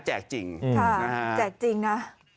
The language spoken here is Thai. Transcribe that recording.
แจกจริงฮะแจกจริงนะฮะ